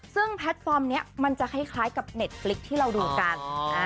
ซึ่งแพลตฟอร์มนี้มันจะคล้ายกับเน็ตฟลิกที่เราดูกัน